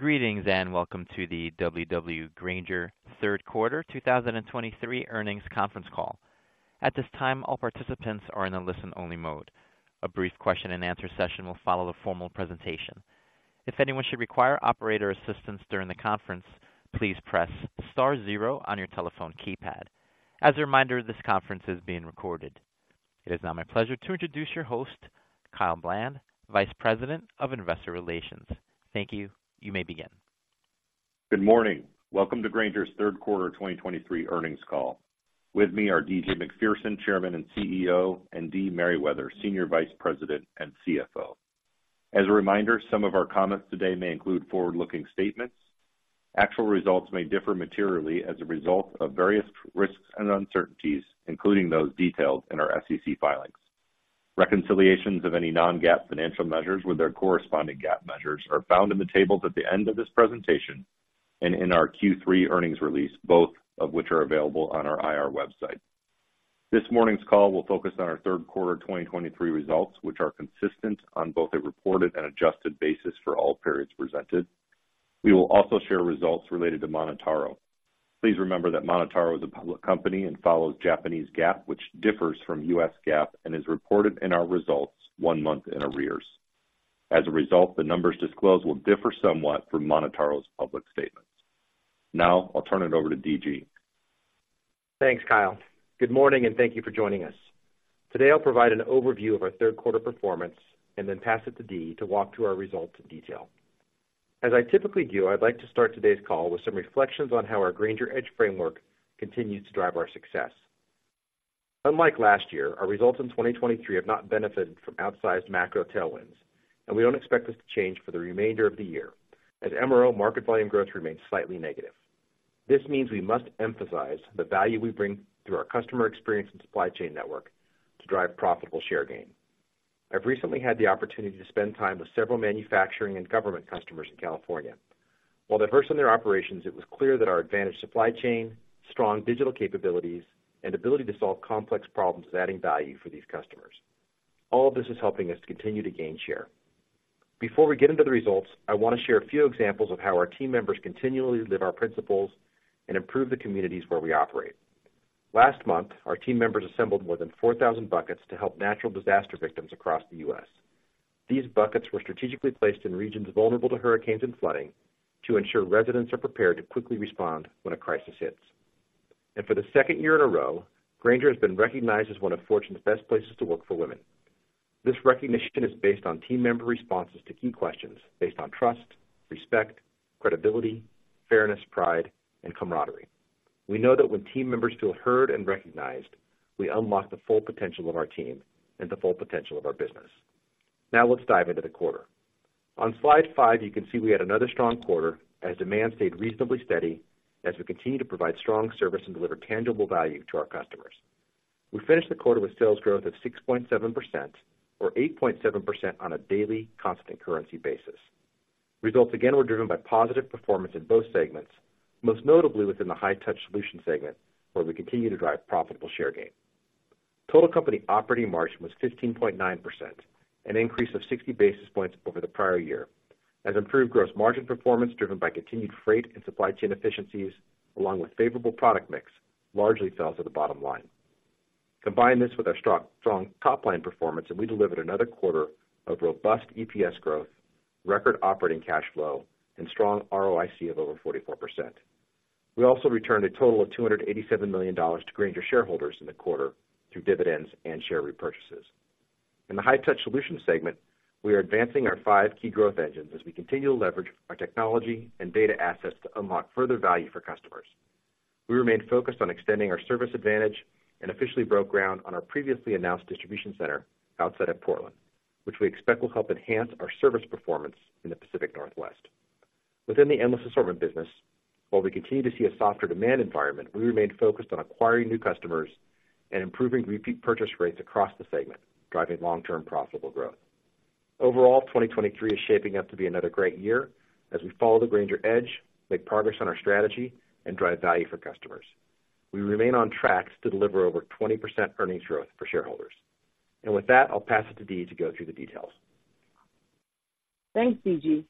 Greetings, and welcome to the W.W. Grainger Third Quarter 2023 Earnings Conference Call. At this time, all participants are in a listen-only mode. A brief question-and-answer session will follow the formal presentation. If anyone should require operator assistance during the conference, please press star zero on your telephone keypad. As a reminder, this conference is being recorded. It is now my pleasure to introduce your host, Kyle Bland, Vice President of Investor Relations. Thank you. You may begin. Good morning. Welcome to Grainger's third quarter 2023 earnings call. With me are D.G. Macpherson, Chairman and CEO, and Dee Merriwether, Senior Vice President and CFO. As a reminder, some of our comments today may include forward-looking statements. Actual results may differ materially as a result of various risks and uncertainties, including those detailed in our SEC filings. Reconciliations of any non-GAAP financial measures with their corresponding GAAP measures are found in the tables at the end of this presentation and in our Q3 earnings release, both of which are available on our IR website. This morning's call will focus on our third quarter 2023 results, which are consistent on both a reported and adjusted basis for all periods presented. We will also share results related to MonotaRO. Please remember that MonotaRO is a public company and follows Japanese GAAP, which differs from U.S. GAAP and is reported in our results one month in arrears. As a result, the numbers disclosed will differ somewhat from MonotaRO's public statements. Now I'll turn it over to D.G. Thanks, Kyle. Good morning, and thank you for joining us. Today, I'll provide an overview of our third quarter performance and then pass it to Dee to walk through our results in detail. As I typically do, I'd like to start today's call with some reflections on how our Grainger Edge framework continues to drive our success. Unlike last year, our results in 2023 have not benefited from outsized macro tailwinds, and we don't expect this to change for the remainder of the year, as MRO market volume growth remains slightly negative. This means we must emphasize the value we bring through our customer experience and supply chain network to drive profitable share gain. I've recently had the opportunity to spend time with several manufacturing and government customers in California. While diverse in their operations, it was clear that our advantage, supply chain, strong digital capabilities, and ability to solve complex problems, is adding value for these customers. All of this is helping us to continue to gain share. Before we get into the results, I want to share a few examples of how our team members continually live our principles and improve the communities where we operate. Last month, our team members assembled more than 4,000 buckets to help natural disaster victims across the U.S. These buckets were strategically placed in regions vulnerable to hurricanes and flooding to ensure residents are prepared to quickly respond when a crisis hits. For the second year in a row, Grainger has been recognized as one of Fortune's best places to work for women. This recognition is based on team member responses to key questions based on trust, respect, credibility, fairness, pride, and camaraderie. We know that when team members feel heard and recognized, we unlock the full potential of our team and the full potential of our business. Now, let's dive into the quarter. On slide 5, you can see we had another strong quarter as demand stayed reasonably steady as we continue to provide strong service and deliver tangible value to our customers. We finished the quarter with sales growth of 6.7%, or 8.7% on a daily constant currency basis. Results again, were driven by positive performance in both segments, most notably within the High-Touch Solutions segment, where we continue to drive profitable share gain. Total company operating margin was 15.9%, an increase of 60 basis points over the prior year, as improved gross margin performance, driven by continued freight and supply chain efficiencies, along with favorable product mix, largely fell to the bottom line. Combine this with our strong, strong top-line performance, and we delivered another quarter of robust EPS growth, record operating cash flow, and strong ROIC of over 44%. We also returned a total of $287 million to Grainger shareholders in the quarter through dividends and share repurchases. In the High-Touch Solutions segment, we are advancing our five key growth engines as we continue to leverage our technology and data assets to unlock further value for customers. We remain focused on extending our service advantage and officially broke ground on our previously announced distribution center outside of Portland, which we expect will help enhance our service performance in the Pacific Northwest. Within the Endless Assortment business, while we continue to see a softer demand environment, we remain focused on acquiring new customers and improving repeat purchase rates across the segment, driving long-term profitable growth. Overall, 2023 is shaping up to be another great year as we follow the Grainger Edge, make progress on our strategy, and drive value for customers. We remain on track to deliver over 20% earnings growth for shareholders. And with that, I'll pass it to Dee to go through the details. Thanks, D.G.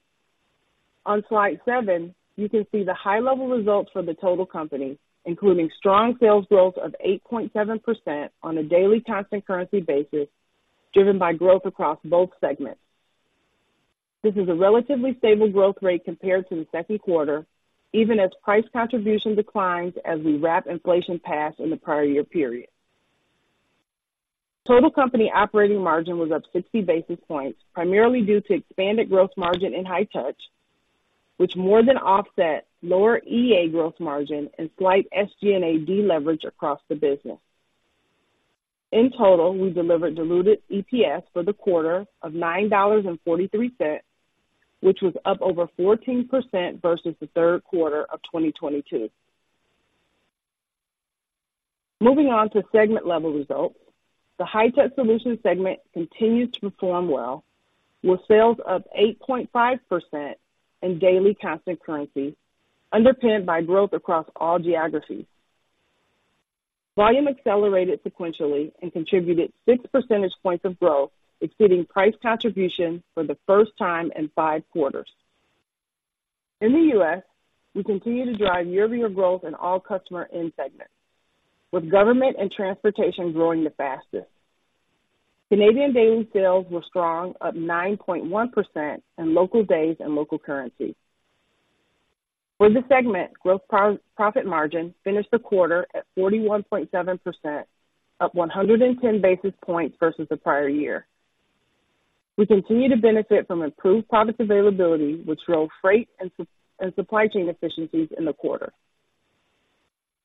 On slide seven, you can see the high-level results for the total company, including strong sales growth of 8.7% on a daily constant currency basis, driven by growth across both segments. This is a relatively stable growth rate compared to the second quarter, even as price contribution declines as we wrap inflation pass in the prior year period. Total company operating margin was up 60 basis points, primarily due gross margin in High-Touch, which more than offset lower EA gross margin and slight SG&A deleverage across the business. In total, we delivered diluted EPS for the quarter of $9.43, which was up over 14% versus the third quarter of 2022. Moving on to segment-level results. The High-Touch Solutions segment continues to perform well, with sales up 8.5% in daily constant currency, underpinned by growth across all geographies. Volume accelerated sequentially and contributed 6 percentage points of growth, exceeding price contribution for the first time in five quarters. In the U.S., we continue to drive year-over-year growth in all customer end segments, with government and transportation growing the fastest. Canadian daily sales were strong, up 9.1% in local days and local currency. For the segment, gross profit margin finished the quarter at 41.7%, up 110 basis points versus the prior year. We continue to benefit from improved product availability, which drove freight and supply chain efficiencies in the quarter.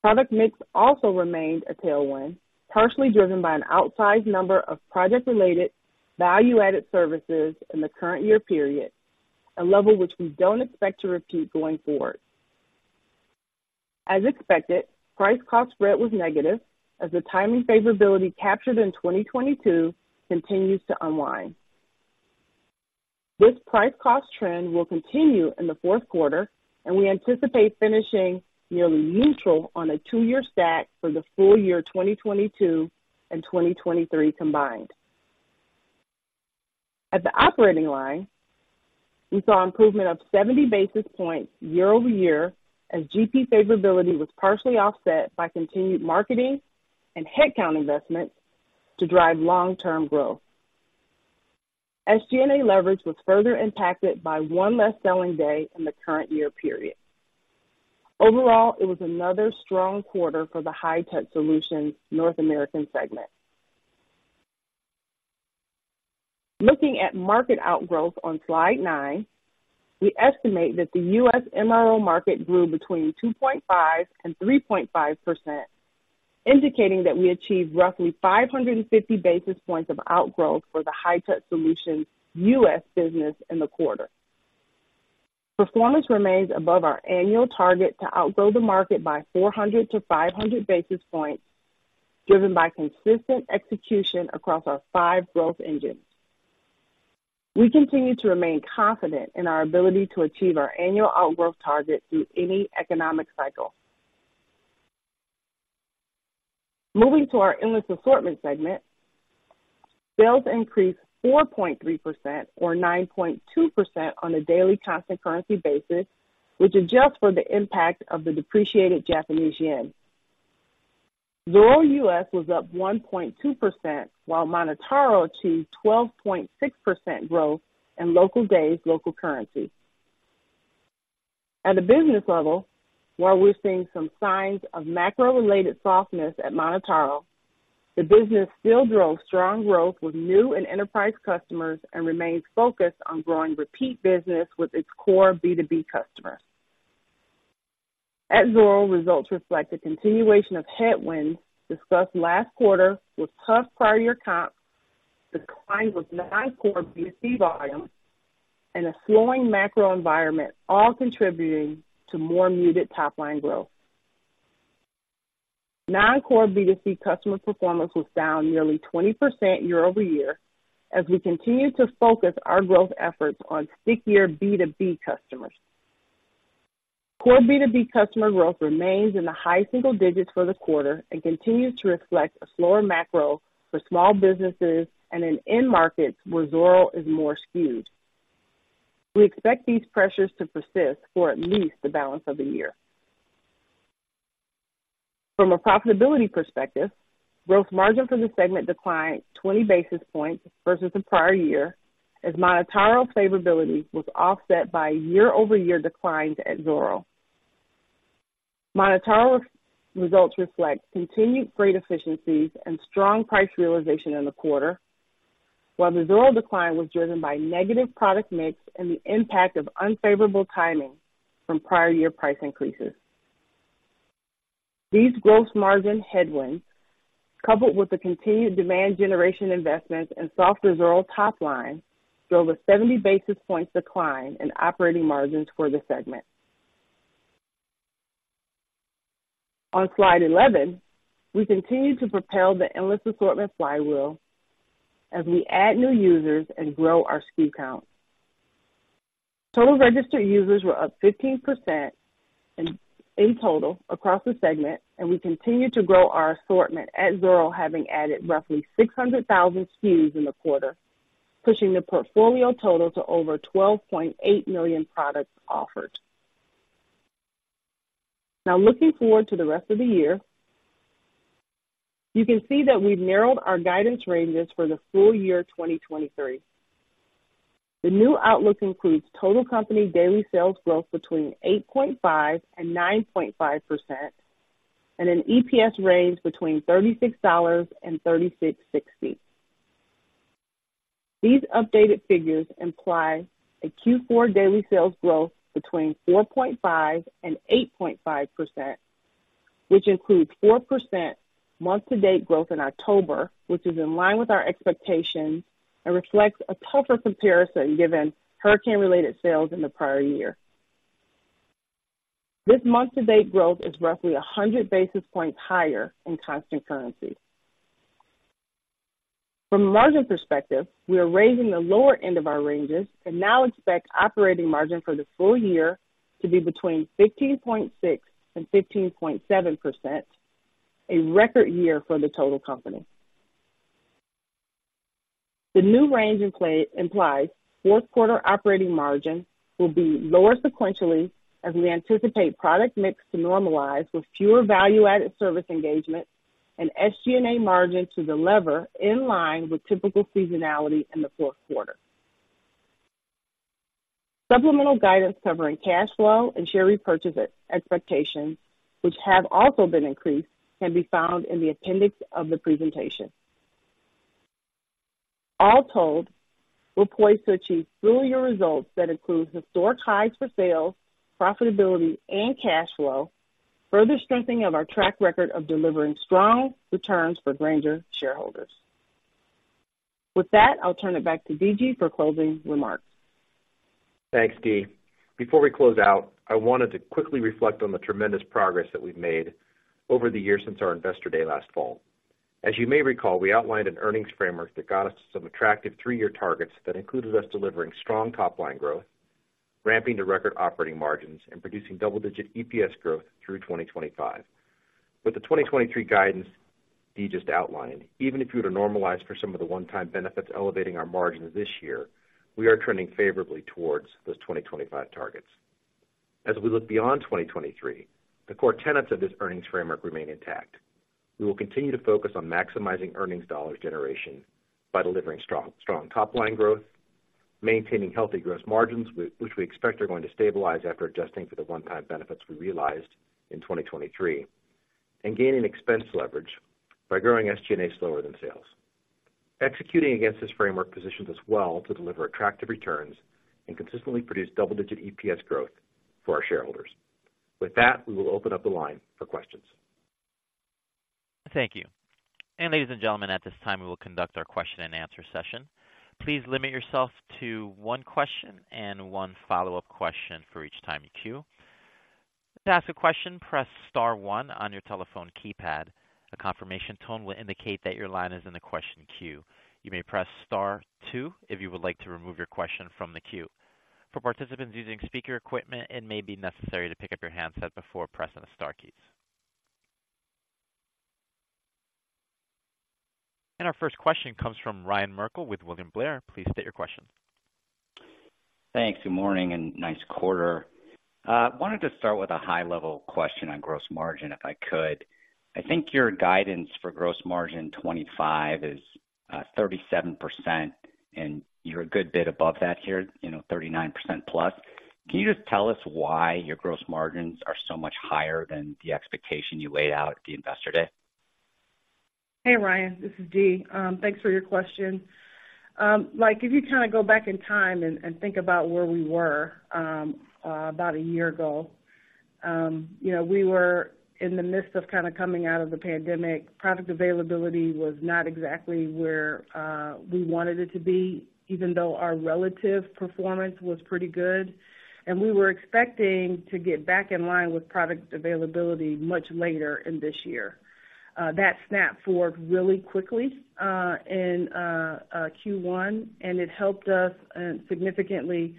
Product mix also remained a tailwind, partially driven by an outsized number of project-related value-added services in the current year period, a level which we don't expect to repeat going forward. As expected, price cost spread was negative as the timing favorability captured in 2022 continues to unwind. This price cost trend will continue in the fourth quarter, and we anticipate finishing nearly neutral on a two-year stack for the full year 2022 and 2023 combined. At the operating line, we saw improvement of 70 basis points year-over-year, as GP favorability was partially offset by continued marketing and headcount investments to drive long-term growth. SG&A leverage was further impacted by one less selling day in the current year period. Overall, it was another strong quarter for the High-Touch Solutions North American segment. Looking at market outgrowth on Slide 9, we estimate that the U.S. MRO market grew between 2.5% and 3.5%, indicating that we achieved roughly 550 basis points of outgrowth for the High-Touch Solutions U.S. business in the quarter. Performance remains above our annual target to outgrow the market by 400-500 basis points, driven by consistent execution across our five growth engines. We continue to remain confident in our ability to achieve our annual outgrowth target through any economic cycle. Moving to our Endless Assortment segment, sales increased 4.3% or 9.2% on a daily constant currency basis, which adjusts for the impact of the depreciated Japanese yen. Zoro U.S. was up 1.2%, while MonotaRO achieved 12.6% growth in local days, local currency. At the business level, while we're seeing some signs of macro-related softness at MonotaRO, the business still drove strong growth with new and enterprise customers and remains focused on growing repeat business with its core B2B customers. At Zoro, results reflect a continuation of headwinds discussed last quarter, with tough prior year comps, declines with non-core B2C volumes, and a slowing macro environment, all contributing to more muted top line growth. Non-core B2C customer performance was down nearly 20% year-over-year as we continue to focus our growth efforts on stickier B2B customers. Core B2B customer growth remains in the high single digits for the quarter and continues to reflect a slower macro for small businesses and in end markets where Zoro is more skewed. We expect these pressures to persist for at least the balance of the year. From a profitability perspective, gross margin for the segment declined 20 basis points versus the prior year, as MonotaRO favorability was offset by year-over-year declines at Zoro. MonotaRO's results reflect continued freight efficiencies and strong price realization in the quarter, while the Zoro decline was driven by negative product mix and the impact of unfavorable timing from prior year price increases. These gross margin headwinds, coupled with the continued demand generation investments and softer Zoro top line, drove a 70 basis points decline in operating margins for the segment. On Slide 11, we continue to propel the Endless Assortment flywheel as we add new users and grow our SKU count. Total registered users were up 15% in total across the segment, and we continue to grow our Assortment at Zoro, having added roughly 600,000 SKUs in the quarter, pushing the portfolio total to over 12.8 million products offered. Now, looking forward to the rest of the year, you can see that we've narrowed our guidance ranges for the full year 2023. The new outlook includes total company daily sales growth between 8.5% and 9.5%, and an EPS range between $36 and $36.60. These updated figures imply a Q4 daily sales growth between 4.5% and 8.5%, which includes 4% month-to-date growth in October, which is in line with our expectations and reflects a tougher comparison given hurricane-related sales in the prior year. This month-to-date growth is roughly 100 basis points higher in constant currency. ...From a margin perspective, we are raising the lower end of our ranges and now expect operating margin for the full year to be between 15.6% and 15.7%, a record year for the total company. The new range in play implies fourth quarter operating margin will be lower sequentially as we anticipate product mix to normalize with fewer value-added service engagements and SG&A margin to delever in line with typical seasonality in the fourth quarter. Supplemental guidance covering cash flow and share repurchase expectations, which have also been increased, can be found in the appendix of the presentation. All told, we're poised to achieve full year results that includes historic highs for sales, profitability, and cash flow, further strengthening of our track record of delivering strong returns for Grainger shareholders. With that, I'll turn it back to DG for closing remarks. Thanks, Dee. Before we close out, I wanted to quickly reflect on the tremendous progress that we've made over the years since our Investor Day last fall. As you may recall, we outlined an earnings framework that got us some attractive three-year targets that included us delivering strong top line growth, ramping to record operating margins, and producing double-digit EPS growth through 2025. With the 2023 guidance Dee just outlined, even if you were to normalize for some of the one-time benefits elevating our margins this year, we are trending favorably towards those 2025 targets. As we look beyond 2023, the core tenets of this earnings framework remain intact. We will continue to focus on maximizing earnings dollars generation by delivering strong, strong top line growth, maintaining healthy gross margins, which we expect are going to stabilize after adjusting for the one-time benefits we realized in 2023, and gaining expense leverage by growing SG&A slower than sales. Executing against this framework positions us well to deliver attractive returns and consistently produce double-digit EPS growth for our shareholders. With that, we will open up the line for questions. Thank you. Ladies and gentlemen, at this time, we will conduct our question-and-answer session. Please limit yourself to one question and one follow-up question for each time in queue. To ask a question, press star one on your telephone keypad. A confirmation tone will indicate that your line is in the question queue. You may press star two if you would like to remove your question from the queue. For participants using speaker equipment, it may be necessary to pick up your handset before pressing the star keys. Our first question comes from Ryan Merkel with William Blair. Please state your question. Thanks. Good morning, and nice quarter. Wanted to start with a high-level question on gross margin, if I could. I think your guidance for gross margin 2025 is 37%, and you're a good bit above that here, you know, 39% plus. Can you just tell us why your gross margins are so much higher than the expectation you laid out at the Investor Day? Hey, Ryan, this is Dee. Thanks for your question. Like, if you kind of go back in time and, and think about where we were, about a year ago, you know, we were in the midst of kind of coming out of the pandemic. Product availability was not exactly where we wanted it to be, even though our relative performance was pretty good. And we were expecting to get back in line with product availability much later in this year. That snapped forward really quickly, in Q1, and it helped us significantly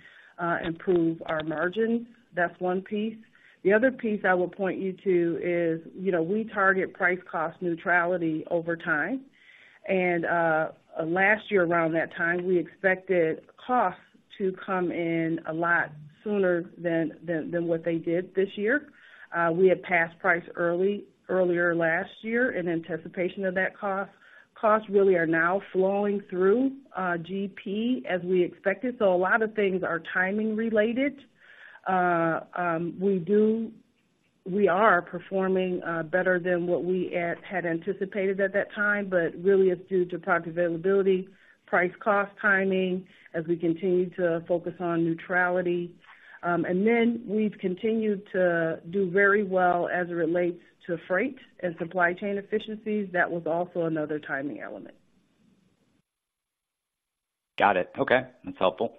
improve our margin. That's one piece. The other piece I will point you to is, you know, we target price cost neutrality over time. Last year, around that time, we expected costs to come in a lot sooner than what they did this year. We had passed price early, earlier last year in anticipation of that cost. Costs really are now flowing through GP as we expected. So a lot of things are timing related. We are performing better than what we had anticipated at that time, but really it's due to product availability, price, cost, timing, as we continue to focus on neutrality. And then we've continued to do very well as it relates to freight and supply chain efficiencies. That was also another timing element. Got it. Okay, that's helpful.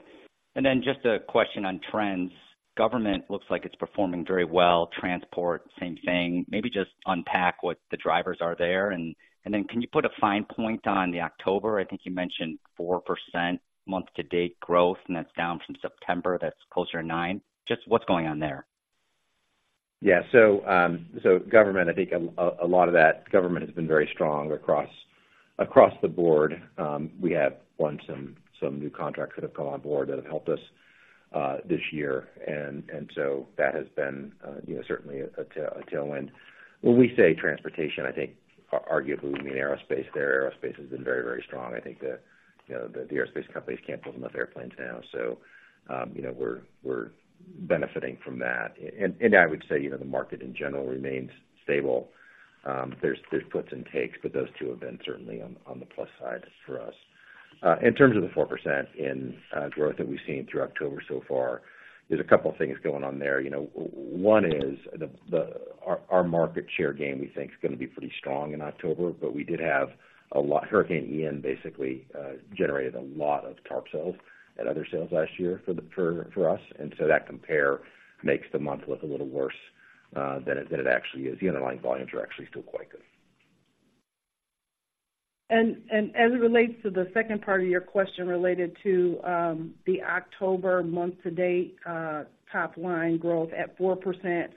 And then just a question on trends. Government looks like it's performing very well. Transport, same thing. Maybe just unpack what the drivers are there, and, and then can you put a fine point on the October? I think you mentioned 4% month-to-date growth, and that's down from September. That's closer to 9. Just what's going on there? Yeah. So, government, I think a lot of that government has been very strong across the board. We have won some new contracts that have come on board that have helped us this year. And so that has been, you know, certainly a tailwind. When we say transportation, I think arguably, we mean aerospace there. Aerospace has been very, very strong. I think the, you know, the aerospace companies can't build enough airplanes now, so, you know, we're benefiting from that. And I would say, you know, the market in general remains stable. There's puts and takes, but those two have been certainly on the plus side for us. In terms of the 4% in growth that we've seen through October so far, there's a couple things going on there. You know, one is the our market share gain, we think, is gonna be pretty strong in October, but we did have Hurricane Ian basically generated a lot of tarp sales and other sales last year for us, and so that compare makes the month look a little worse than it actually is. The underlying volumes are actually still quite good. As it relates to the second part of your question related to the October month to date top line growth at 4%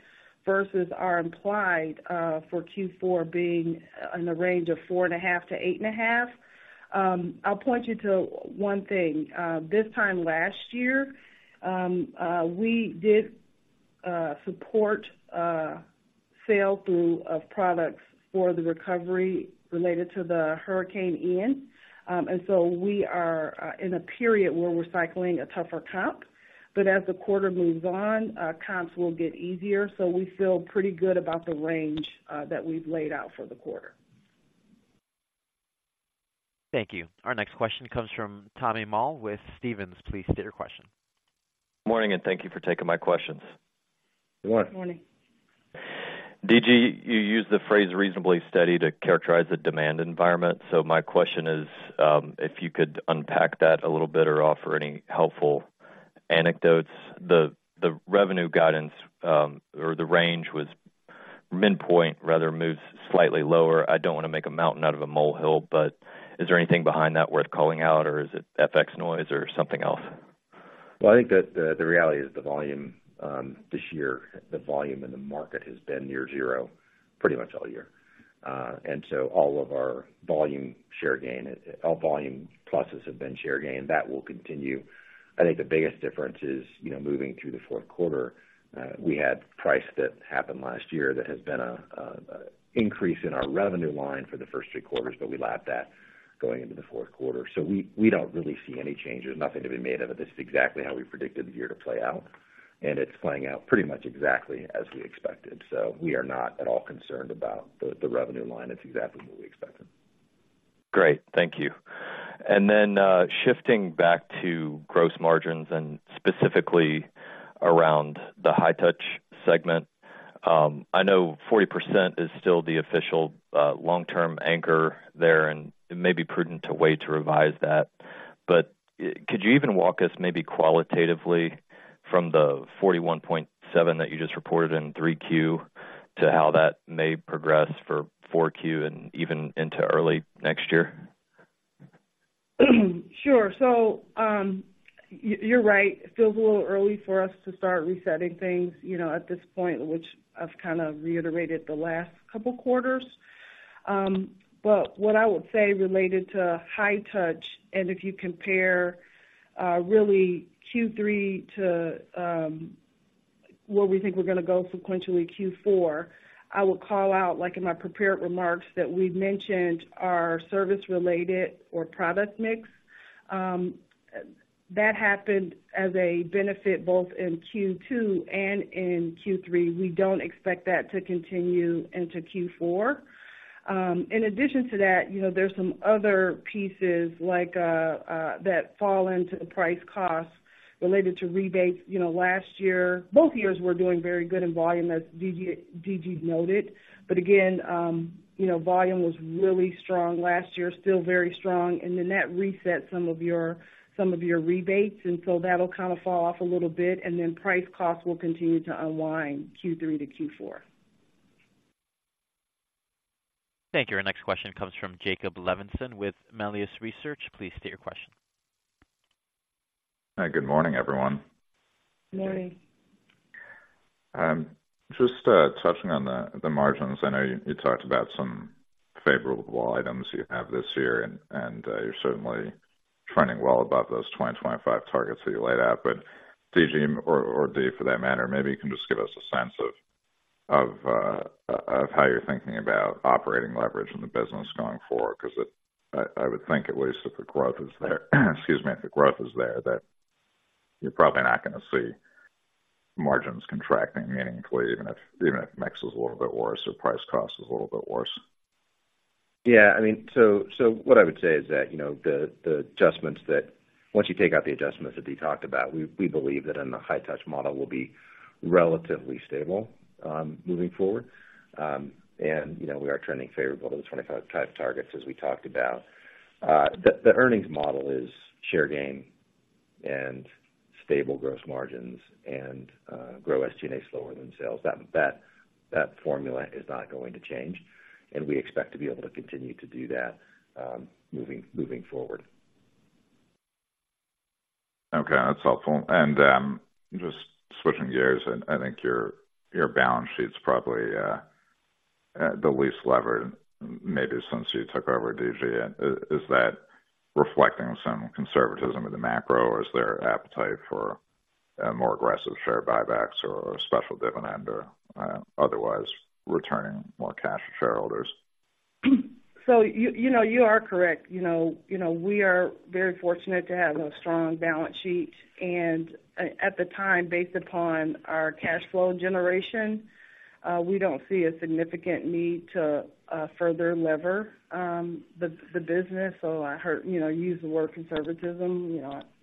versus our implied for Q4 being in the range of 4.5%-8.5%, I'll point you to one thing. This time last year, we did support a sale through of products for the recovery related to the Hurricane Ian. And so we are in a period where we're cycling a tougher comp. But as the quarter moves on, comps will get easier. So we feel pretty good about the range that we've laid out for the quarter. Thank you. Our next question comes from Tommy Moll with Stephens. Please state your question. Morning, and thank you for taking my questions. Good morning. Morning. D.G., you used the phrase reasonably steady to characterize the demand environment. So my question is, if you could unpack that a little bit or offer any helpful anecdotes. The revenue guidance, or the range was midpoint, rather, moved slightly lower. I don't want to make a mountain out of a molehill, but is there anything behind that worth calling out, or is it FX noise or something else? Well, I think that the reality is the volume this year, the volume in the market has been near zero pretty much all year. All of our volume share gain, all volume pluses have been share gain. That will continue. I think the biggest difference is, you know, moving through the fourth quarter, we had price that happened last year that has been an increase in our revenue line for the first three quarters, but we lapped that going into the fourth quarter. We don't really see any changes, nothing to be made of it. This is exactly how we predicted the year to play out, and it's playing out pretty much exactly as we expected. We are not at all concerned about the revenue line. It's exactly what we expected. Great, thank you. And then, shifting back to gross margins and specifically around the High-Touch segment, I know 40% is still the official, long-term anchor there, and it may be prudent to wait to revise that. But could you even walk us maybe qualitatively from the 41.7 that you just reported in 3Q to how that may progress for 4Q and even into early next year? Sure. So, you're right. It feels a little early for us to start resetting things, you know, at this point, which I've kind of reiterated the last couple of quarters. But what I would say related to High-Touch, and if you compare, really Q3 to, where we think we're gonna go sequentially, Q4, I will call out, like in my prepared remarks, that we've mentioned our service-related or product mix. That happened as a benefit both in Q2 and in Q3. We don't expect that to continue into Q4. In addition to that, you know, there's some other pieces like, that fall into the price cost related to rebates. You know, last year, both years were doing very good in volume, as D.G. noted. But again, you know, volume was really strong last year, still very strong, and then that reset some of your, some of your rebates, and so that'll kind of fall off a little bit, and then price costs will continue to unwind Q3 to Q4. Thank you. Our next question comes from Jacob Levinson with Melius Research. Please state your question. Hi, good morning, everyone. Good morning. Just touching on the margins. I know you talked about some favorable items you have this year, and you're certainly trending well above those 2025 targets that you laid out. But D.G., or D., for that matter, maybe you can just give us a sense of how you're thinking about operating leverage in the business going forward, 'cause I would think at least if the growth is there, excuse me, if the growth is there, that you're probably not gonna see margins contracting meaningfully, even if mix is a little bit worse or price cost is a little bit worse. Yeah, I mean, so what I would say is that, you know, the adjustments that, once you take out the adjustments that we talked about, we believe that in High-Touch model will be relatively stable, moving forward. And, you know, we are trending favorable to the 25 targets, as we talked about. The earnings model is share gain and stable gross margins and grow SG&A slower than sales. That formula is not going to change, and we expect to be able to continue to do that, moving forward. Okay, that's helpful. Just switching gears, I think your balance sheet's probably the least levered maybe since you took over, D.G. Is that reflecting some conservatism of the macro, or is there appetite for a more aggressive share buybacks or a special dividend or otherwise returning more cash to shareholders? You know, you are correct. You know, we are very fortunate to have a strong balance sheet, and at the time, based upon our cash flow generation, we don't see a significant need to further lever the business. I heard, you know, use the word conservatism,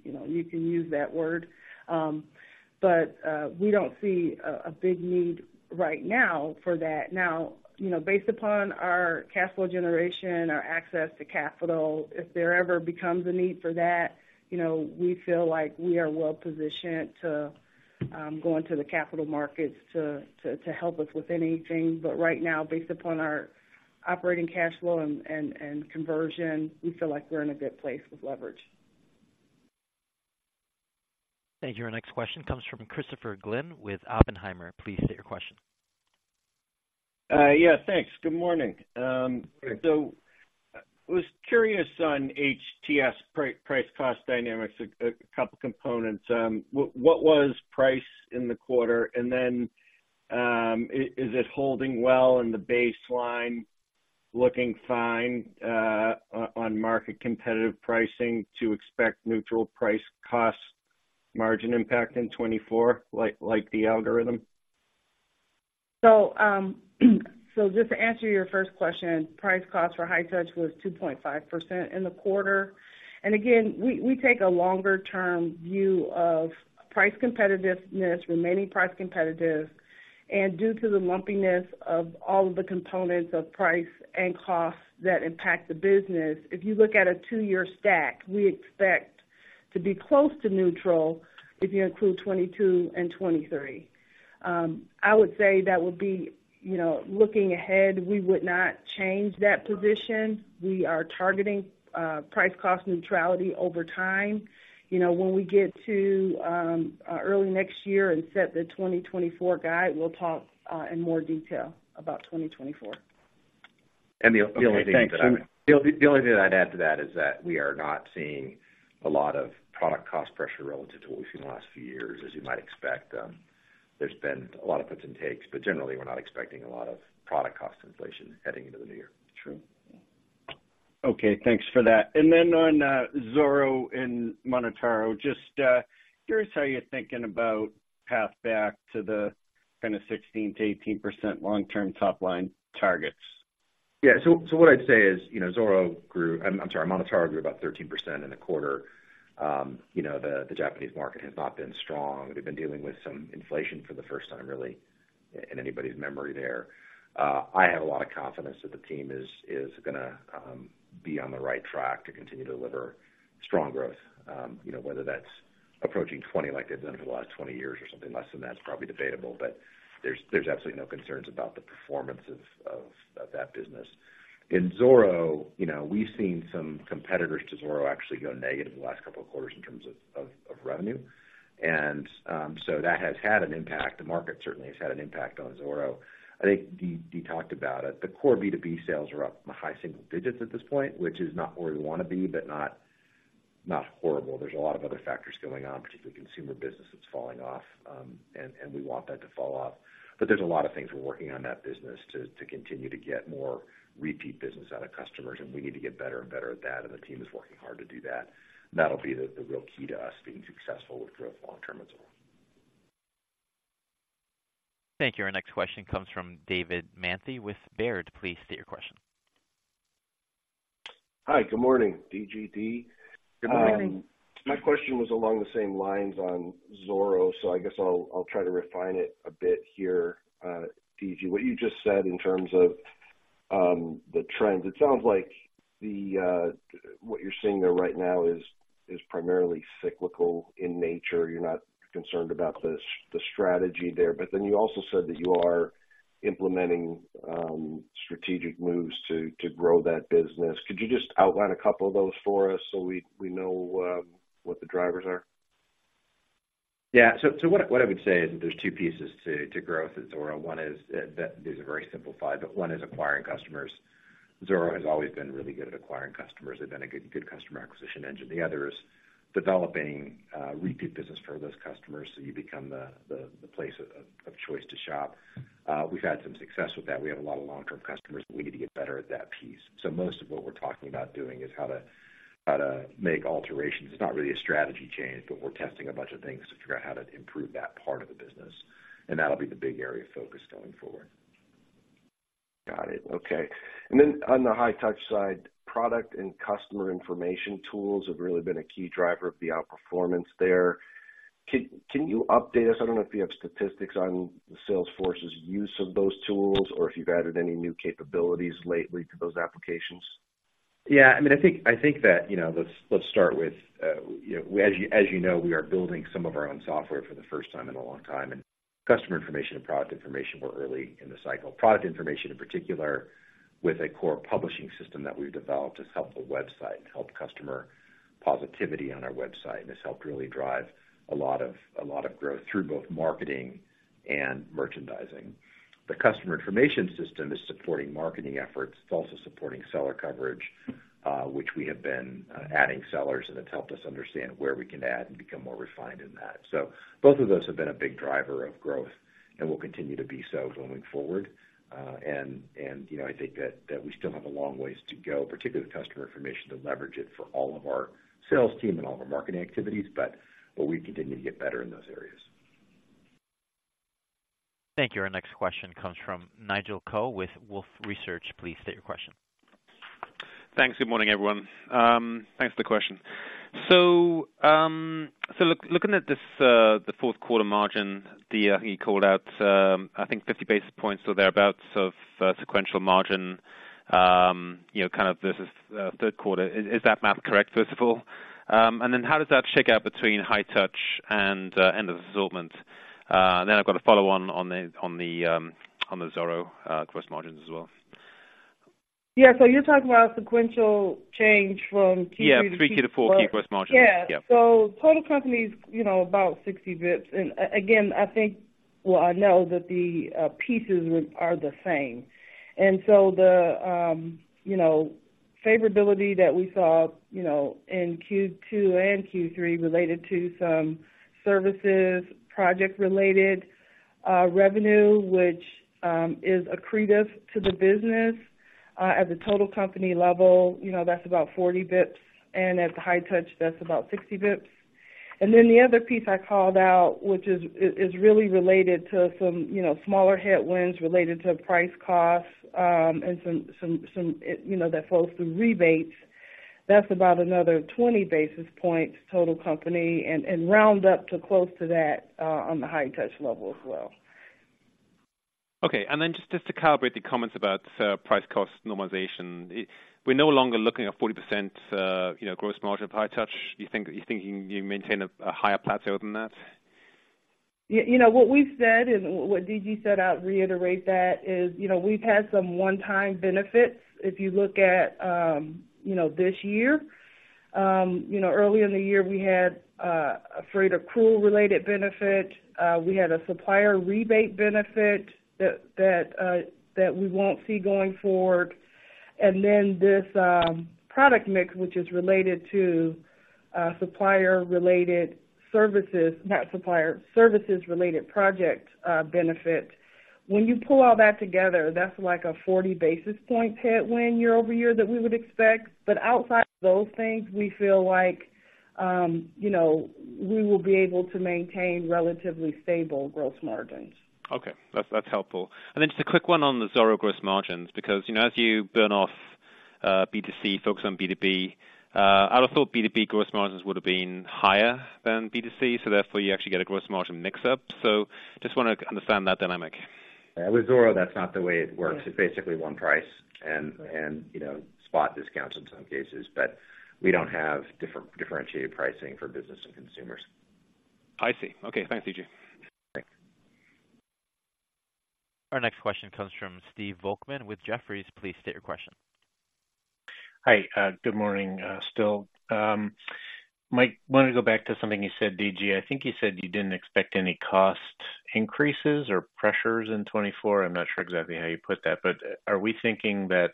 you know, you can use that word. We don't see a big need right now for that. Now, you know, based upon our cash flow generation, our access to capital, if there ever becomes a need for that, you know, we feel like we are well positioned to go into the capital markets to help us with anything. Right now, based upon our operating cash flow and conversion, we feel like we're in a good place with leverage. Thank you. Our next question comes from Christopher Glynn with Oppenheimer. Please state your question. Yeah, thanks. Good morning. I was curious on HTS price, price cost dynamics, a couple components. What was price in the quarter? Is it holding well in the baseline, looking fine, on market competitive pricing to expect neutral price cost margin impact in 2024, like the algorithm? Just to answer your first question, price cost for High-Touch was 2.5% in the quarter. Again, we take a longer-term view of price competitiveness, remaining price competitive, and due to the lumpiness of all of the components of price and cost that impact the business, if you look at a two-year stack, we expect to be close to neutral if you include 2022 and 2023. I would say that would be, you know, looking ahead, we would not change that position. We are targeting price cost neutrality over time. You know, when we get to early next year and set the 2024 guide, we'll talk in more detail about 2024. And the only thing-... Yeah, thanks. The only thing I'd add to that is that we are not seeing a lot of product cost pressure relative to what we've seen in the last few years, as you might expect. There's been a lot of gives and takes, but generally, we're not expecting a lot of product cost inflation heading into the new year. True. Okay, thanks for that. And then on Zoro and MonotaRO, just curious how you're thinking about path back to the kind of 16%-18% long-term top line targets. Yeah. So what I'd say is, you know, Zoro grew... I'm sorry, MonotaRO grew about 13% in the quarter. You know, the Japanese market has not been strong. They've been dealing with some inflation for the first time, really, in anybody's memory there. I have a lot of confidence that the team is gonna be on the right track to continue to deliver strong growth. You know, whether that's approaching 20, like they've done for the last 20 years or something less than that, is probably debatable, but there's absolutely no concerns about the performance of that business. In Zoro, you know, we've seen some competitors to Zoro actually go negative in the last couple of quarters in terms of revenue. So that has had an impact. The market certainly has had an impact on Zoro. I think Dee, Dee talked about it. The core B2B sales are up in the high single digits at this point, which is not where we wanna be, but not, not horrible. There's a lot of other factors going on, particularly consumer business that's falling off, and we want that to fall off. But there's a lot of things we're working on that business to continue to get more repeat business out of customers, and we need to get better and better at that, and the team is working hard to do that. That'll be the real key to us being successful with growth long term as well. Thank you. Our next question comes from David Manthey with Baird. Please state your question. Hi, good morning, DG, Dee. Good morning. My question was along the same lines on Zoro, so I guess I'll try to refine it a bit here. DG, what you just said in terms of the trends, it sounds like what you're seeing there right now is primarily cyclical in nature. You're not concerned about the strategy there, but then you also said that you are implementing strategic moves to grow that business. Could you just outline a couple of those for us so we know what the drivers are? Yeah. So what I would say is there's two pieces to growth at Zoro. One is, these are very simplified, but one is acquiring customers. Zoro has always been really good at acquiring customers. They've been a good customer acquisition engine. The other is developing repeat business for those customers so you become the place of choice to shop. We've had some success with that. We have a lot of long-term customers, and we need to get better at that piece. So most of what we're talking about doing is how to make alterations. It's not really a strategy change, but we're testing a bunch of things to figure out how to improve that part of the business, and that'll be the big area of focus going forward. Got it. Okay. And then on High-Touch side, product and customer information tools have really been a key driver of the outperformance there. Can you update us? I don't know if you have statistics on the sales force's use of those tools or if you've added any new capabilities lately to those applications. Yeah, I mean, I think, I think that, you know, let's, let's start with, you know, as you, as you know, we are building some of our own software for the first time in a long time, and customer information and product information, we're early in the cycle. Product information, in particular, with a core publishing system that we've developed, has helped the website, helped customer positivity on our website, and has helped really drive a lot of, a lot of growth through both marketing and merchandising. The customer information system is supporting marketing efforts. It's also supporting seller coverage, which we have been adding sellers, and it's helped us understand where we can add and become more refined in that. So both of those have been a big driver of growth and will continue to be so going forward. You know, I think that we still have a long ways to go, particularly with customer information, to leverage it for all of our sales team and all of our marketing activities, but we continue to get better in those areas. Thank you. Our next question comes from Nigel Coe with Wolfe Research. Please state your question. Thanks. Good morning, everyone. Thanks for the question. So, looking at this, the fourth quarter margin, Dee, I think you called out, I think 50 basis points or thereabouts of, sequential margin, you know, kind of versus, third quarter. Is that math correct, first of all? And then how does that shake out High-Touch and Endless Assortment? Then I've got a follow-on on the Zoro gross margins as well.... Yeah, so you're talking about a sequential change from Q3 to Q4? Yeah, 3Q to 4Q gross margin. Yeah. Yeah. Total company is, you know, about 60 basis points. Again, I think, well, I know that the, you know, pieces are the same. The, you know, favorability that we saw, you know, in Q2 and Q3 related to some services, project-related revenue, which is accretive to the business at the total company level, you know, that's about 40 basis points, and at High-Touch, that's about 60 basis points. The other piece I called out, which is really related to some, you know, smaller headwinds related to price costs, and some, you know, that flows through rebates, that's about another 20 basis points, total company, and round up to close to that on High-Touch level as well. Okay. And then just, just to calibrate the comments about price cost normalization. We're no longer looking at 40%, you know, gross margin High-Touch. You think, you thinking you maintain a higher plateau than that? Yeah, you know what we've said and what DG set out, reiterate that, is, you know, we've had some one-time benefits. If you look at, you know, this year, early in the year, we had a freight recall related benefit. We had a supplier rebate benefit that, that we won't see going forward. And then this product mix, which is related to supplier-related services, not services-related project benefit. When you pull all that together, that's like a 40 basis point headwind year over year that we would expect. But outside those things, we feel like, you know, we will be able to maintain relatively stable gross margins. Okay, that's, that's helpful. And then just a quick one on the Zoro gross margins, because, you know, as you burn off, B2C, focus on B2B, I'd have thought B2B gross margins would have been higher than B2C, so therefore you actually get a gross margin mix-up. So just wanna understand that dynamic. Yeah, with Zoro, that's not the way it works. Yeah. It's basically one price and, you know, spot discounts in some cases, but we don't have differentiated pricing for business and consumers. I see. Okay, thanks, DG. Thanks. Our next question comes from Steve Volkmann with Jefferies. Please state your question. Hi, good morning, still. like, wanted to go back to something you said, D.G. I think you said you didn't expect any cost increases or pressures in 2024. I'm not sure exactly how you put that, but are we thinking that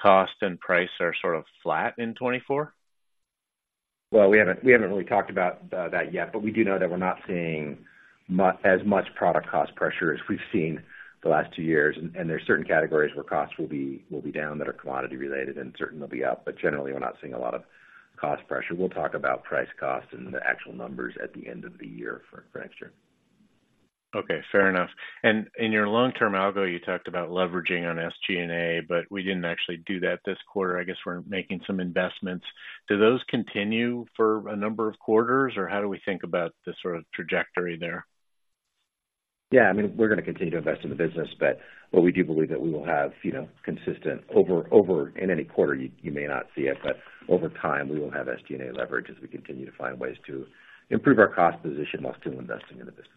cost and price are sort of flat in 2024? Well, we haven't really talked about that yet, but we do know that we're not seeing as much product cost pressure as we've seen the last two years. And there are certain categories where costs will be down that are commodity-related and certain will be up, but generally, we're not seeing a lot of cost pressure. We'll talk about price, cost, and the actual numbers at the end of the year for next year. Okay, fair enough. In your long-term algo, you talked about leveraging SG&A, but we didn't actually do that this quarter. I guess we're making some investments. Do those continue for a number of quarters, or how do we think about the sort of trajectory there? Yeah, I mean, we're gonna continue to invest in the business, but what we do believe that we will have, you know, consistent over... In any quarter, you may not see it, but over time, we will have SG&A leverage as we continue to find ways to improve our cost position while still investing in the business.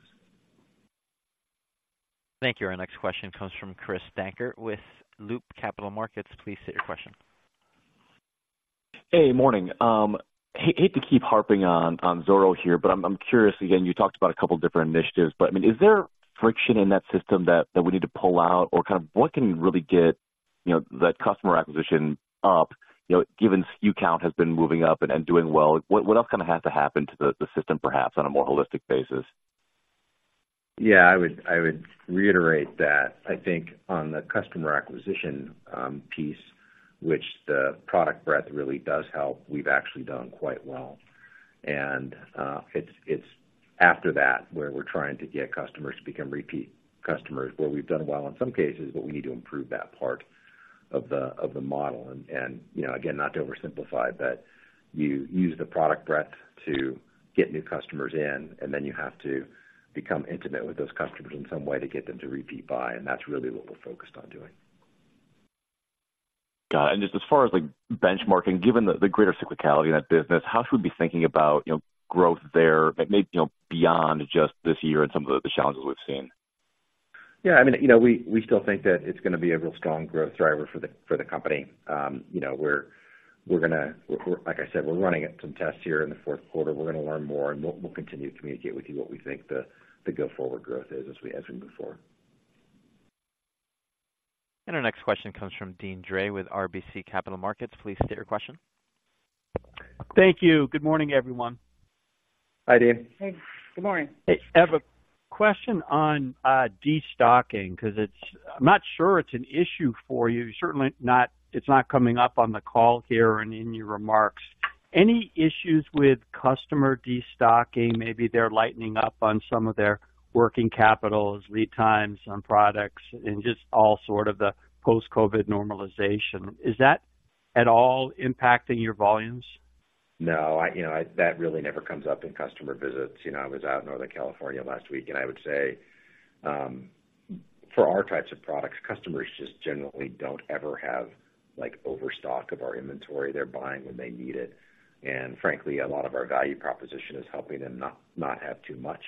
Thank you. Our next question comes from Chris Dankert with Loop Capital Markets. Please state your question. Hey, morning. Hate to keep harping on Zoro here, but I'm curious. Again, you talked about a couple different initiatives, but, I mean, is there friction in that system that we need to pull out or kind of what can really get, you know, that customer acquisition up? You know, given SKU count has been moving up and doing well, what else kind of has to happen to the system, perhaps on a more holistic basis? Yeah, I would reiterate that I think on the customer acquisition piece, which the product breadth really does help, we've actually done quite well. It's after that where we're trying to get customers to become repeat customers, where we've done well in some cases, but we need to improve that part of the model. You know, again, not to oversimplify, but you use the product breadth to get new customers in, and then you have to become intimate with those customers in some way to get them to repeat buy, and that's really what we're focused on doing. Got it. And just as far as, like, benchmarking, given the greater cyclicality in that business, how should we be thinking about, you know, growth there, like, maybe, you know, beyond just this year and some of the challenges we've seen? Yeah, I mean, you know, we still think that it's gonna be a real strong growth driver for the company. You know, we're gonna—like I said, we're running some tests here in the fourth quarter. We're gonna learn more, and we'll continue to communicate with you what we think the go-forward growth is, as we have been before. Our next question comes from Deane Dray with RBC Capital Markets. Please state your question. Thank you. Good morning, everyone. Hi, Deane. Hey, good morning. Hey, I have a question on destocking, because it's... I'm not sure it's an issue for you. Certainly not, it's not coming up on the call here or in your remarks. Any issues with customer destocking? Maybe they're lightening up on some of their working capitals, lead times on products, and just all sort of the post-COVID normalization. Is that at all impacting your volumes? No, you know, that really never comes up in customer visits. You know, I was out in Northern California last week, and I would say, for our types of products, customers just generally don't ever have, like, overstock of our inventory. They're buying when they need it. And frankly, a lot of our value proposition is helping them not have too much....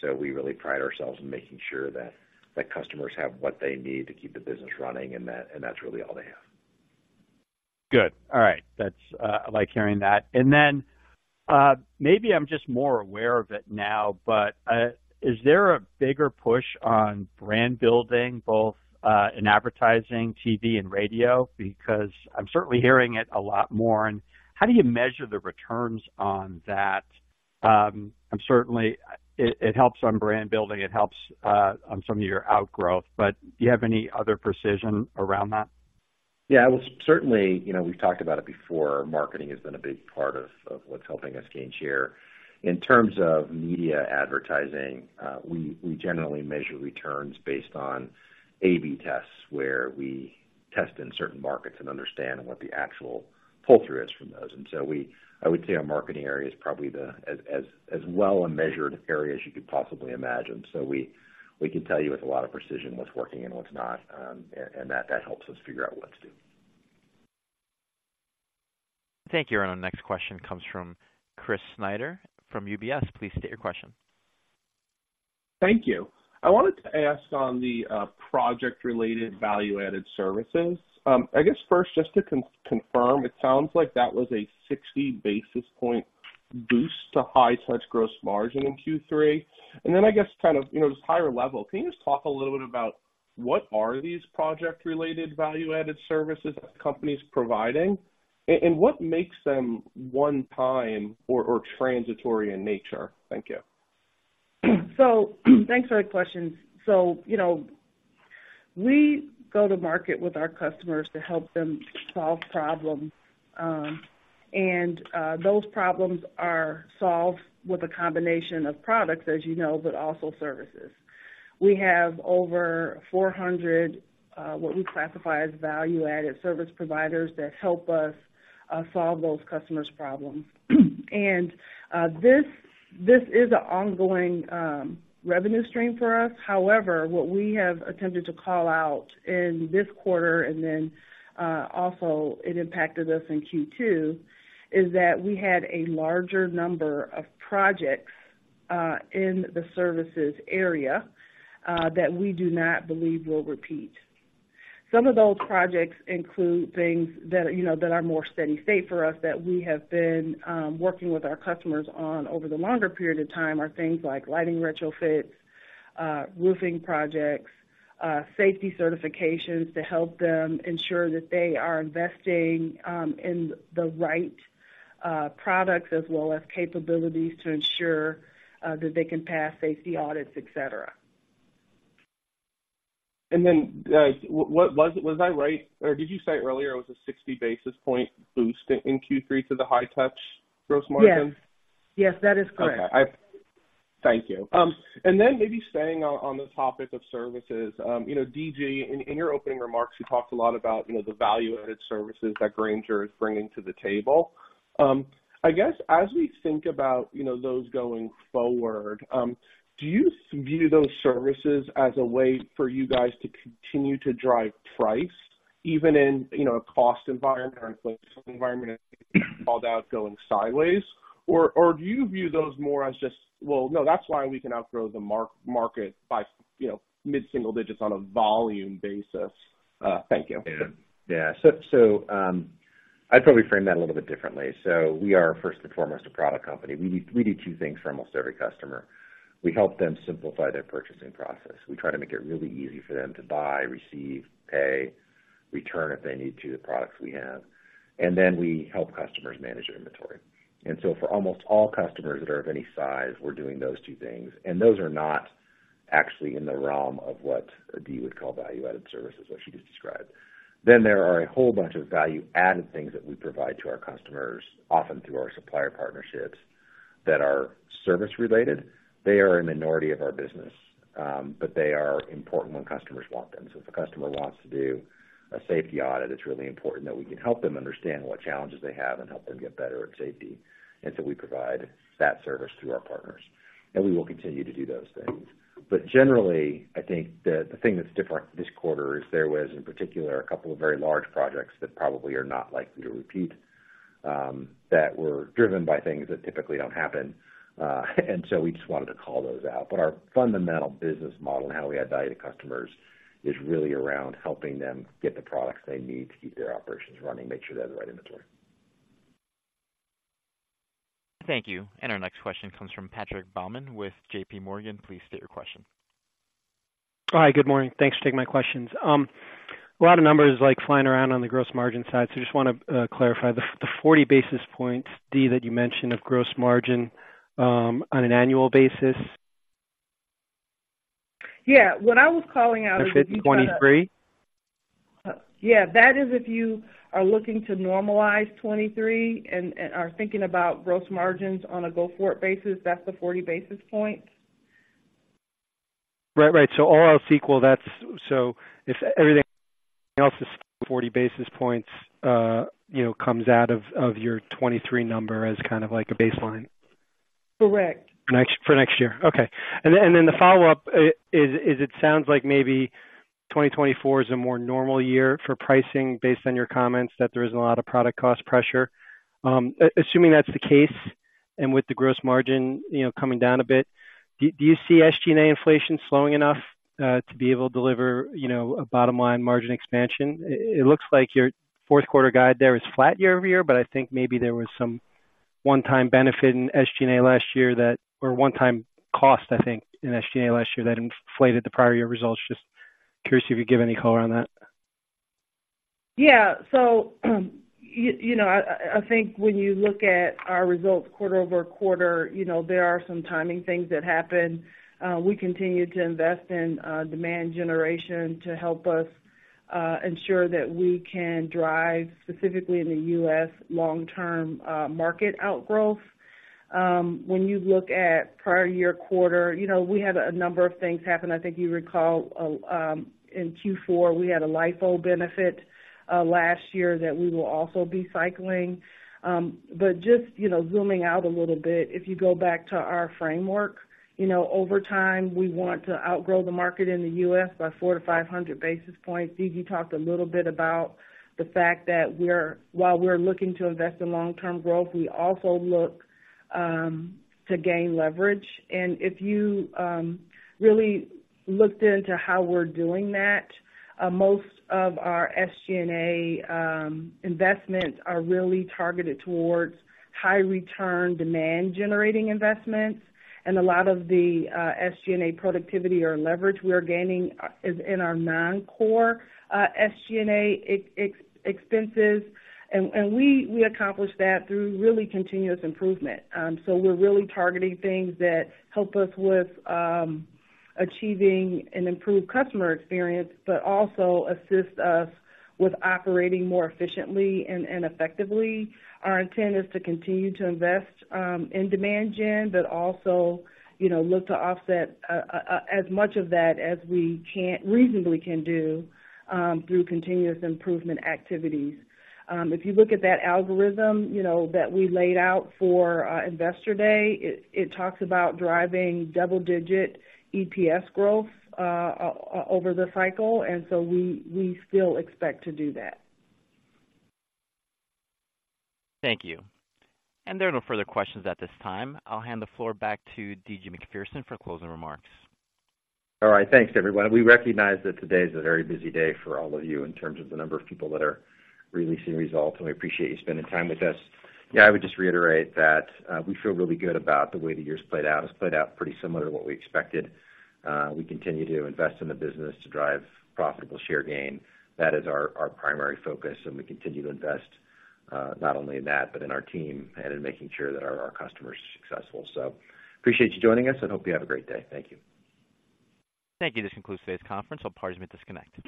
So we really pride ourselves in making sure that customers have what they need to keep the business running, and that's really all they have. Good. All right. That's, I like hearing that. Maybe I'm just more aware of it now, but is there a bigger push on brand building, both in advertising, TV, and radio? Because I'm certainly hearing it a lot more. How do you measure the returns on that? I'm certainly, it helps on brand building, it helps on some of your outgrowth, but do you have any other precision around that? Yeah. Well, certainly, you know, we've talked about it before. Marketing has been a big part of what's helping us gain share. In terms of media advertising, we generally measure returns based on AB tests, where we test in certain markets and understand what the actual pull-through is from those. I would say our marketing area is probably the, as well a measured area as you could possibly imagine. We can tell you with a lot of precision what's working and what's not, and that helps us figure out what to do. Thank you. Our next question comes from Chris Snyder from UBS. Please state your question. Thank you. I wanted to ask on the project-related value-added services. I guess first, just to confirm, it sounds like that was a 60 basis point boost to High-Touch gross margin in Q3. And then I guess, kind of, you know, just higher level, can you just talk a little bit about what are these project-related value-added services that companies providing? And what makes them one time or transitory in nature? Thank you. So, thanks for the questions. So, you know, we go to market with our customers to help them solve problems. And those problems are solved with a combination of products, as you know, but also services. We have over 400 what we classify as value-added service providers that help us solve those customers' problems. And this is an ongoing revenue stream for us. However, what we have attempted to call out in this quarter, and then also it impacted us in Q2, is that we had a larger number of projects in the services area that we do not believe will repeat. Some of those projects include things that are, you know, that are more steady state for us, that we have been working with our customers on over the longer period of time, are things like lighting retrofits, roofing projects, safety certifications to help them ensure that they are investing in the right products, as well as capabilities to ensure that they can pass safety audits, et cetera. Was I right, or did you say earlier it was a 60 basis point boost in Q3 to the High-Touch gross margin? Yes. Yes, that is correct. Okay. Thank you. And then maybe staying on the topic of services, you know, D.G., in your opening remarks, you talked a lot about, you know, the value-added services that Grainger is bringing to the table. I guess, as we think about, you know, those going forward, do you view those services as a way for you guys to continue to drive price, even in, you know, a cost environment or inflation environment, called out going sideways? Or do you view those more as just: "Well, no, that's why we can outgrow the market by, you know, mid-single digits on a volume basis." Thank you. I'd probably frame that a little bit differently. So we are first and foremost a product company. We do two things for almost every customer. We help them simplify their purchasing process. We try to make it really easy for them to buy, receive, pay, return, if they need to, the products we have, and then we help customers manage their inventory. And so for almost all customers that are of any size, we're doing those two things, and those are not actually in the realm of what Dee would call value-added services, which she just described. Then there are a whole bunch of value-added things that we provide to our customers, often through our supplier partnerships, that are service related. They are a minority of our business, but they are important when customers want them. So if a customer wants to do a safety audit, it's really important that we can help them understand what challenges they have and help them get better at safety. And so we provide that service through our partners, and we will continue to do those things. But generally, I think the thing that's different this quarter is there was, in particular, a couple of very large projects that probably are not likely to repeat, that were driven by things that typically don't happen, and so we just wanted to call those out. But our fundamental business model and how we add value to customers is really around helping them get the products they need to keep their operations running, make sure they have the right inventory. Thank you. And our next question comes from Patrick Baumann with JP Morgan. Please state your question. Hi, good morning. Thanks for taking my questions. A lot of numbers like flying around on the gross margin side, so I just wanna clarify the, the 40 basis points, Dee, that you mentioned of gross margin, on an annual basis? Yeah. What I was calling out is- Is it 23? Yeah, that is if you are looking to normalize 23 and are thinking about gross margins on a go-forward basis, that's the 40 basis points. Right. Right. So all else equal, that's... So if everything else is 40 basis points, you know, comes out of, of your 23 number as kind of like a baseline? Correct. Next for next year. Okay. And then the follow-up is it sounds like maybe- ... 2024 is a more normal year for pricing, based on your comments, that there isn't a lot of product cost pressure. Assuming that's the case, and with the gross margin, you know, coming down a bit, do you see SG&A inflation slowing enough to be able to deliver, you know, a bottom line margin expansion? It looks like your fourth quarter guide there is flat year-over-year, but I think maybe there was some one-time benefit in SG&A last year that, or one-time cost, I think, in SG&A last year that inflated the prior year results. Just curious if you could give any color on that. Yeah. So, you know, I think when you look at our results quarter-over-quarter, you know, there are some timing things that happen. We continue to invest in demand generation to help us ensure that we can drive, specifically in the U.S., long-term market outgrowth. When you look at prior-year quarter, you know, we had a number of things happen. I think you recall, in Q4, we had a LIFO benefit last year that we will also be cycling. But just, you know, zooming out a little bit, if you go back to our framework, you know, over time, we want to outgrow the market in the U.S. by 400-500 basis points. D.G. talked a little bit about the fact that we're, while we're looking to invest in long-term growth, we also look to gain leverage. If you really looked into how we're doing that, most of our SG&A investments are really targeted towards high return, demand generating investments. A lot of the SG&A productivity or leverage we are gaining is in our non-core SG&A expenses. We accomplish that through really continuous improvement. We're really targeting things that help us with achieving an improved customer experience, but also assist us with operating more efficiently and effectively. Our intent is to continue to invest in demand gen, but also, you know, look to offset as much of that as we reasonably can do through continuous improvement activities. If you look at that algorithm, you know, that we laid out for Investor Day, it talks about driving double digit EPS growth over the cycle, and so we still expect to do that. Thank you. There are no further questions at this time. I'll hand the floor back to D.G. Macpherson for closing remarks. All right. Thanks, everyone. We recognize that today is a very busy day for all of you in terms of the number of people that are releasing results, and we appreciate you spending time with us. Yeah, I would just reiterate that, we feel really good about the way the year's played out. It's played out pretty similar to what we expected. We continue to invest in the business to drive profitable share gain. That is our, our primary focus, and we continue to invest, not only in that, but in our team and in making sure that our, our customers are successful. So appreciate you joining us, and hope you have a great day. Thank you. Thank you. This concludes today's conference. All parties may disconnect.